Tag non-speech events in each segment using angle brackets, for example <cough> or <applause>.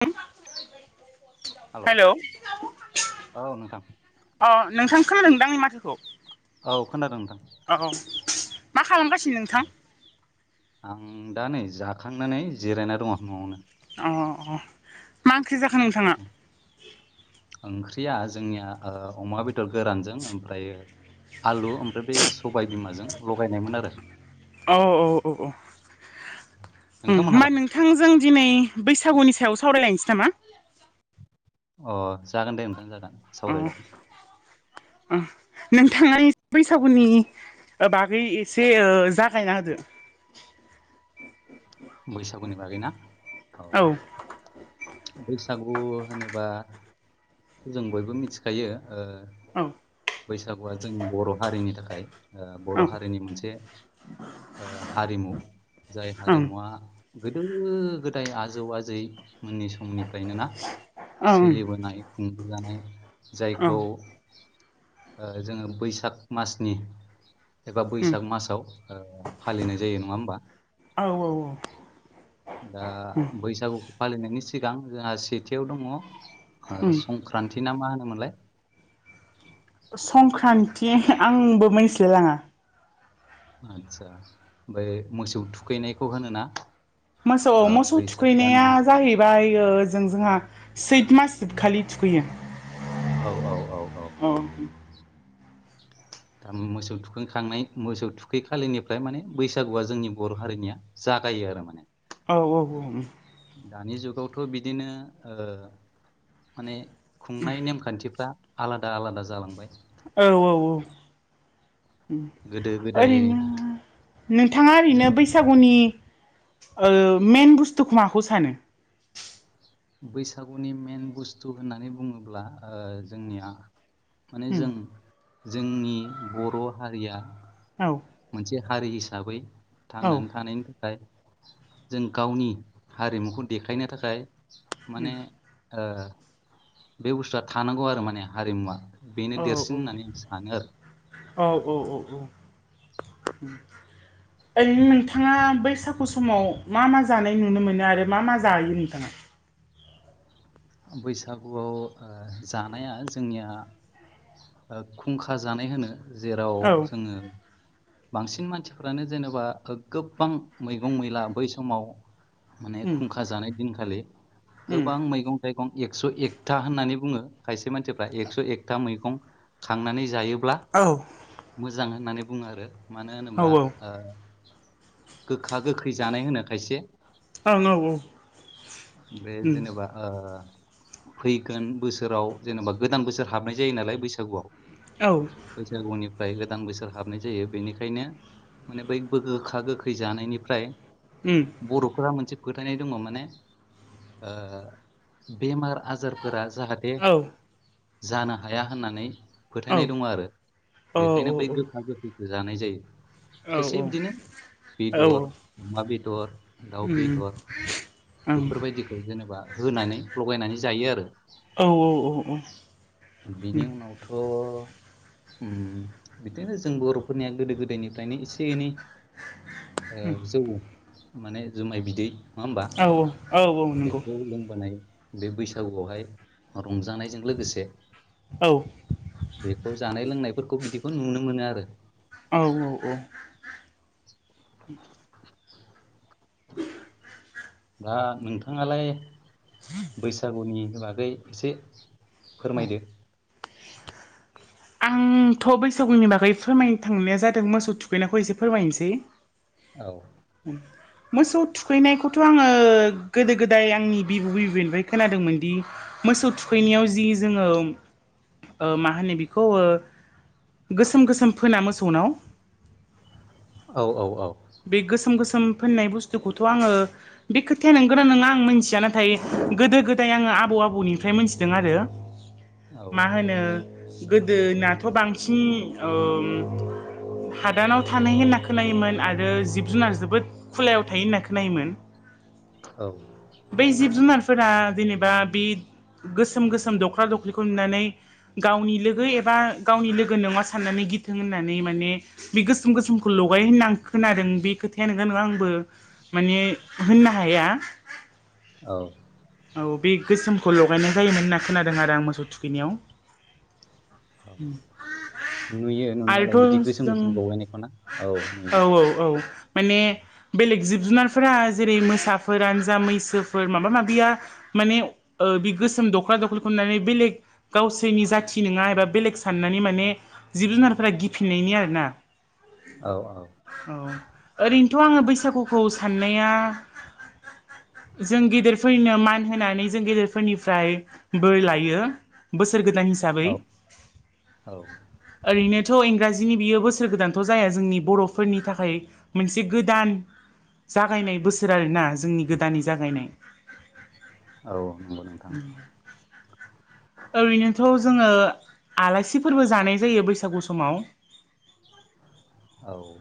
<unintelligible> Hello औ नोंथां अ नोंथां खोनादोंदां आनि माथोखौ औ खोनादों नोंथां औ औ मा खालामगासिनो नोंथां औ दा नै जाखांनानै जिरायना दङ आं न'आवनो। अ-अ मा ओंख्रि जाखो नोंथाङा ओंख्रिया जोंनिया अमा बेदर गोरानजों ओमफ्रायो आलु ओमफ्राय बे सबायाइ बिमाजों लगायनायमोन आरो औ-औ-औ मा नोंथांमोनहालाय नोंथांजों दिनै बैसागुनि सायाव सावरायलायनोसै नामा अ जागोन दे नोंथां जागोन अ सावरायजागोन नोंथाङा बैसागुनि बागै एसे जागायना होदो बैसागुनि बागै ना औ बैसागु होनोबा जों बयबो मिथिखायो औ बैसागुआ जों बर' हारिनि थाखाय ओ बर' औ हारिनि मोनसे ओ हारिमु जाय ओं ओं हारिमुवा गोदो गोदाय आजौ आजै उननि समनिफ्रायनो ना औ उम सोलिबोनाय खुंबोजानाय जायखौ जोङो बैसाग मासनि एबा बैसाग मासाव फालिनाय जायो नङा होमबा औ औ दा बैसागुखौ फालिनायनि सिगां जोंहा सेथियाव दङ उम संक्रान्ति ना मा होनोमोनलाय संक्रान्ति आंबो मिथिलाय लाङा आदसा ओमफ्राय मोसौ थुखैनायखौ होनोोना मोसौ मोसौ थुखैनाया जाहैबायओओ जजों जोंहा सैथ मा सिदखालि थुखैयो औ-औ-औ-औ औ दा मोसौ थुखैखांनाय मोसौ थुखै खालिनिफ्राय माने बैसागुआ जोंनि बर' हारिनिया ज थाखायो आरो माने औ-औ-औ बे बेावथ' बिदिनो माने खुंनाय नेमखान्थिफ्रा आलादा आलादा जालांबाय औ-औ-औ गोदो गोदाय ओरैनो नोंथाङा ओरैनो जेनेबा बैसागुनि ओ मेन बुस्थुखौ माखौ सानो बैसागुनि मेन बुस्थु होननानै बुङोब्ला ओ जोंनिया माने उम जों जोंनि बर' हारिया औ मोनसे हारि हिसाबै औ थांनानै थानायनि थाखाय जों गावनि हारिमुखौ देखायनो थाखाय उम माने बे बुस्थुआ थानांगौ आरो माने हारिमुवा बेनो देरसिन होननानै आं सानो आरो औ-औ-औ-औ ओरैनो नोंथाङा बैसागु समाव मा मा जानाय नुनो मोनो आरो मा मा जायो नोंथाङा बैसागुआव जानाया जोंनिया खुंखा जानाय होनो जेराव औ जोङो बांसिन मानसिफ्रानो जेनेबा गोबां मैगं मैला बै समाव माने उम खुंखा जानाय दिनखालि उम गोबां मैगं ए एका होननानै बुङो खायसे मान ए एकथा मैं खनानै जायो ब्ला औ मोजां होननानै बुङो आरो मानो औ होनोबा ओं ओ गोखा गोखै जानाय होनो खायसे ओं औ-औ बे जेनबा ओ फैगोन बोसोराव जेनेबा गोदान बोसोर हाबनाय जायो नालाय बैसागुआव औ उम औ बैसागुनिफ्राय गो दान बोसोर हाबनाय जायो बेनिखायनो माने बै गोखा गोखै जानायनिफ्राय बर'फोरा मोनसे फोथायनाय दङ माने। ओ बेमार आजारफोरा जाहाथे औ जानो हाया होननानै फोथायनाय दङ आरो बेखायनो बै गोखा गोखै जानाय जायो। औ खायसे बिदिनो औ बेदर, अमा बे दर, दाउ उम बेदर उम बेफोरबायदिखौ जेनेबा होनानै लगायनानै जायो आरो। ओं औ औ औ उम बिनि उनावथ' ओम बिदिनो जों बर'फोरनिया गोदो गोदायनिफ्रायनो एसे एनै। ओ जौ माने जुमाय बिदै। नङा होनबा औ औ औ नंगौ बेखौ लोंबोनाय बे बैसागुआवहाय रंजानायजों लोगोसे औ बेखौ जानाय लोंनायफोरखौ बिदिखौ नुनो मोनो आरो। औ औ औ। दा नोंथाङालाय बैसागुनि बागै एसे औ फोरमायदो। आंथ' बैसागुनि बागै फोरमाय थांनाया जादों मोसौ थुखैनायखौ एसे फोरमायनोसै। औ उम मोसौ थुखैनायखौथ' आङो गोदो गोदाय आंनि बिबौ बिबैनिफ्राय खोनादोंमोनदि मोसौ थुखैनायाव जि जोङो मा होनो बिखौ ओ गोसोम गोसोम फोना मोसौनाव औ औ औ। बे गोसोम गोसोम फोननाय बुस्थुखौथ' आङो बे खोथाया नोंगोरा नङा आं मोनथिया नाथाय गोदो गोदाय आङो आबौ आबौनिफ्राय मोनथिदों आरो औ मा होनो। गोदोनाथ' बांसिन ओम हादानाव थानाय होनना खोनायोमोन। आरो जिब जुनार जोबोद खुलायाव थायो होनना खोनायोमोन। औ बै जिब जुनारफोरा जेनेबा बे गोसोम गोसोम दख्ला दख्रिखौ नुनानै गावनि लोगो एबा गावनि लोगो नङा साननानै। गिथों होननानै माने बे गोसोम गोसोमखौ लगायो होनना। खोनादों बे खोथाया नोंगोना नङा आंबो माने होननो हाया। औ औ बे गोसोमखौ लगायनाय जायोमोन होनना खोनादों आरो आं मोसौ थुखैनायाव। औ उम। नुयो नुनायालाय बिदि आरोथ' गोसोम जों गोसोम लगायनायखौ ना औ औ नुयो औ औ माने। बेलेग जिब जुनारफोरा जेरै मोसाफोर आनो जा मैसोफोर माबा माबिया माने बे गोसोम दख्ला दखलिखौ नुनानै बेलेग गावसोरनि जाथि नङा एबा बेलेग साननानै माने जिब जुनारफोरा गिफिननायनि आरोना। औ औ औ ओरैनोथ' आङो बैसागुखौ साननाया जों गेदेरफोरनो मा न होननानै जों गेेदेरफोरनिफ्राय बोर लायो बो सोर गोदान हिसाबै औ ओरैनो थ' इंराजिनि बियो बोसोर गोदानथ' जाया जोंनि बर'फोरनि थाखाय मोनसे गोदान जागायनाय बोसोर आरोना जोंनि गोदानै जागायनाय औ नंगौ नोंथां। ओरैनोथ' जोङो आलासिफोरबो जानाय जायो बैसागु समाव। औ।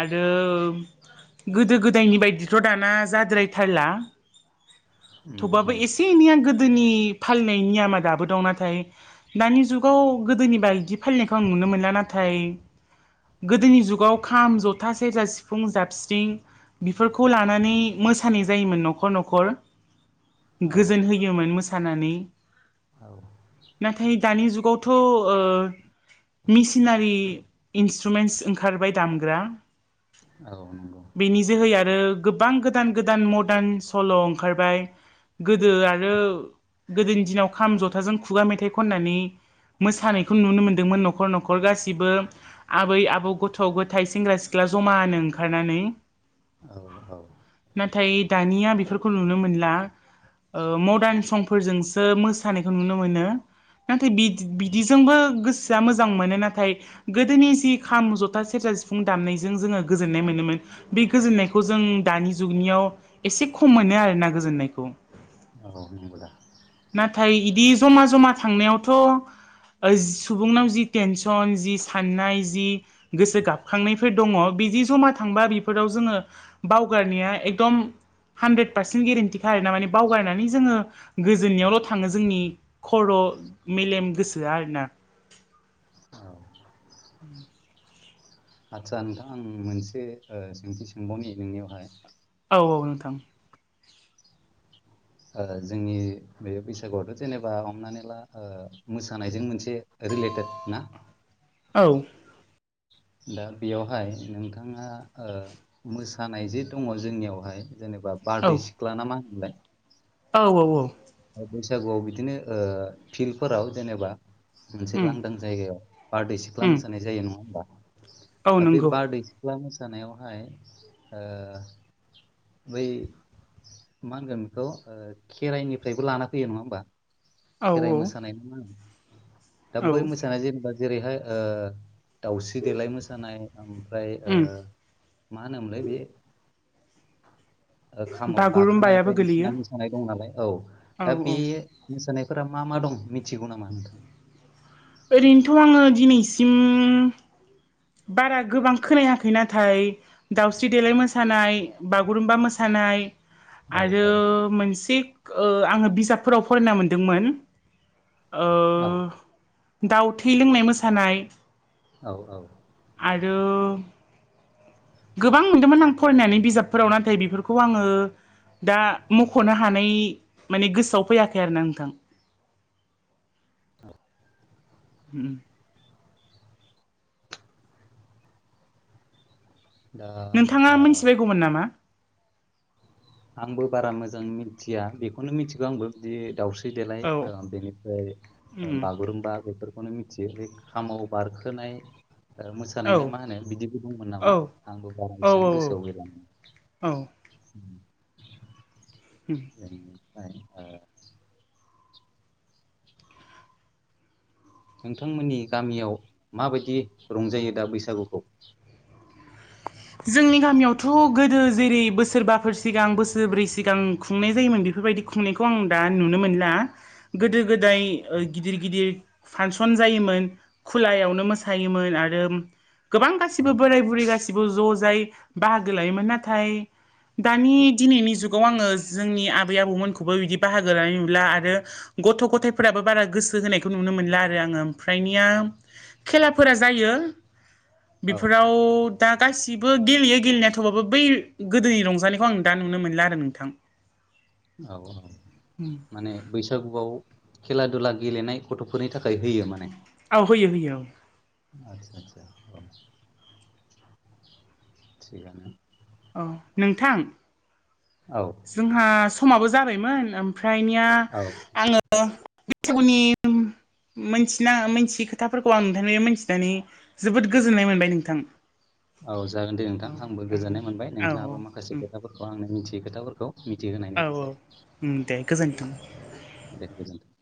आरो गोदो गोदायनि बायदिथ' दाना जाद्रायथारला उम थेबो उम एसेनैया गोदो गोदोनि फालिनायनायनि नियमा दाबो दं नाथाय दानि जुगाव गोदोनि बायदि फालिनायखौ आं नुनो। मोनलाना नाथाय गोदोनि जुगाव खाम, जथा, सेरजा, सिफुं, जाबस्रिं बेफोरखौ लानानै मोसानाय जायोमोन न'खर न'खर। औ गोजोन होयोमोन मोसानानै औ नाथाय दानि जुग गथ' मिसिनारि। टुमेन्टस ओंखारबाय दामग्रा। औ नंगौ बेनि जोहै आरो गोबां गोदान गोदान मदार्न सल' ओंखारबाय गोदो आरो गोदोनि दिनाव खाम जथाजों खुगा मेथाइ खननानै मोसानायखौ नुनो मोन्दोंमोन न'खर न'खर गासिबो। आबै आबौ गथ' गथाय सेंग्रा सिख्ला जमानो ओंखारनानै। औ औ। नाथाय दानिया बेफोरखौ नुनो मोनला मदार्न संफोरजों ओ मोसानायखौ नुनो मोनो। नाथाय बि बिदिजोंबो गोसोआ मोजां मोनो नाथाय गोदोनि। खाम ज'था सेरजा सिफुं दामनायजों जोङो गोजोन्नाय मोनोमोन बे गोजोननायखौ जों दानि जुगनि याव एसे खम मोनो आरोना गोजोननायखौ औ नंगौ दा नाथाय बिदि जमा जमा थांनायावथ' सुबुंनाव जि तेनसन। सन जि साननाय जि गोसो गाबखांनायफोर दङ बिदि जमा थांबा बेफोराव जोङो बावगारनाया एकदम हानद्रेद पारसेन्ट गेरेन्टिखा आरो ना बावगारनानै जोङो। गोजोननायावल' थाङो जोंनि खर' मेलेम गोसोआ आरोना। औ <inaudible> आदसा नोंथां आं मोनसे सोंथि सोंबावनि नोंनियावहाय औ औ नोंथां। जोंनि बे बैसागुआवथ' जेनेबा हमनानै ला मोसानायजों मोनसे रलेटेड ना औ दा बेयावहाय नोंथाङा ओ मोसानाय जे दङ जोंनियावहाय। जेनेबा औ बारदै सिख्ला नामा होनलाय? औ औ औ बैसागुआव बिदिनो फिल्डफोराव जेनेबा मोनसे उम लांदां जायगायाव बारदै सिख्ला उम मोसानाय जायो नङा होमबा औ दा बे नंगौ बारदै सिख्ला। सिख्ला मोसानायावहाय। बै मा होनगोन बेखौ खेराइनि फ्रायबो लाना फैयो नङा होमबा औ खेराइ औ मोसानाय नङा दा औ बै मोसानाया जेनेबा जेरैहाय। दाउस्रि देलाय मोसानाय ओमफ्राय उम मा होनोमोनलाय बे खामाव गाखोनाय बागुरुम्बायाबो बायदिसिना गोलैयो मोसानाय दं नालाय औ औ दा बे औ मोसानाय। फोरफोरा मा मा दं मिथिगौ नामा नोंथां। ओरैनोथ' आङो दिनैसिम बारा गोबां खोनायाखै नाथाय दाउस्रि देलाय मोसानाय, बागुरुम्बा मोसानाय नाय औ आरो मोनसे ओ आङो बिजाबफोराव फरायना मोनदोंमोन। ओ औ! दाउ थै लोंनाय मोसानाय। औ औ। आरो गोबां मोनदोंमोन आं फरायनानै बिजाबफोराव नाथाय बेफोरखौ आङो दा मख'नो हानाय माने गोसोआव फैयाखै आरोना नोंथां। <inaudible> <unintelligible> होम दा नोंथाङा ओ मिथिबायगौमोन नामा? आंबो बारा मोजां मिथिया बेखौनो मिथिगौ आंबो बि दाउस्रि देलाय औ ओ बेनिफ्राय ओ बागुरुमबा बेफोर खौनो मिथियो बे खामाव बारखोनाय आरो औ मोसानाय ना मा होनो बिदिबो दंमोन नामा आंबो बारा औ एसां गोसोआव गैला। औ उम आमफ्राय ओ नोंथांमोननि गामियाव माबायदि रंजायो दा बैसागुखौ? <unintelligible> जोंनि गामियावथ' गोदो जेरै बोसोरबाफोर सिगां बोसोरब्रै सिगां खुंनाय जायोमोन बेफोरबाय दि खुंनायखौ आं दा नुनो मोनला। गोदो गोदाय ओ गिदिर गिदिर फान्सन जायोमोन खुलायावनो मोसायोमोन आरो गोबां गासिबो औ बोराय बुरै गासिबो ज' जाय बाहागो लायोमोन नाथाय दानि दिनैनि जुगाव आङो जोंनि आबै आबौमोनखौबो बिदि बाहागो लानाय नुला आरो गथ' गथायफोराबो बारा गोसो होनायखौ नुनो मोनला आरो आङो ओमफ्रायनिया खेलाफोरा जायो औ बेफोराव दा गासिबो गेलेयो गेलेनाया थ'बाबो बै गोदोनि रंजानायखौ आं दा नुनो मोनला आरो नोंथां। औ औ माने बैसागुआव खेला दुला गेलेनाय गथ'फोरनि थाखाय होयो माने औ होयो होयो औ। आचसा आचा औ। थिगानो अ नोंथां औ जोंहा समाबो जाबायमोन ओम फ्रायनिया औ आङो बैसागुनि मोनथिना मोनथियि खोथाफोरखौ आं नोंथांनि मोनथिनानै जोबोद गोजोननाय मोनबाय नोंथांखौ ओं बे नोंथाङाबो माखासे खोथाफोरखौ आंनो मिथियो खोथाफोरखौ मिथिहोनायनि औ औ थाखाय दे गोजोन्थों दे गोजोनथों।